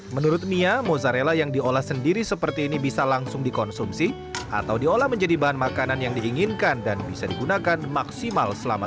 menurut mia mozzarella yang diolah sendiri seperti ini bisa langsung dikonsumsi atau diolah menjadi bahan makanan yang diinginkan dan bisa digunakan maksimal